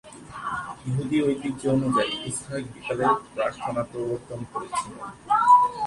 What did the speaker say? ইহুদি ঐতিহ্য অনুযায়ী, ইসহাক বিকেলে প্রার্থনা প্রবর্তন করেছিলেন।